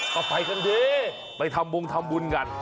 ก็ไปกันดีไปทำวงทำบุญกัน